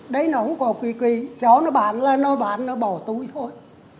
đấy nó cũng có quỷ quỷ cho nó bán là nó bán nó bỏ túi thôi